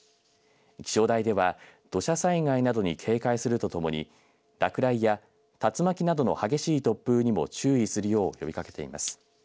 気象台では土砂災害などに警戒するとともに落雷や竜巻などの激しい突風にも注意するよう呼びかけています。